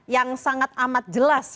yang sangat amat jelas